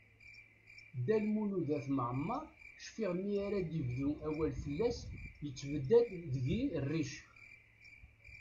Dda Lmud At Mɛemmeṛ, cfiɣ mi ara d-bdu awal fell-as, yettebdad deg-i rric.